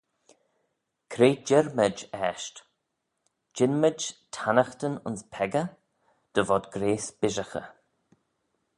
Cre jir mayd eisht? jean mayd tannaghtyn ayns peccah, dy vod grayse bishaghey?